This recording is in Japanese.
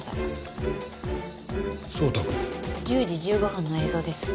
１０時１５分の映像です。